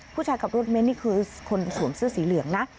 ขับรถเม้นนี่คือคนสวมเสื้อสีเหลืองนะ